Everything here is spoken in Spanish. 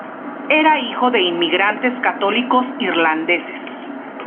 Era hijo de inmigrantes católicos irlandeses.